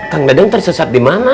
kang dadang tersesat di mana